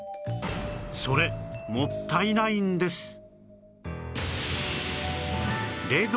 それもったいないんです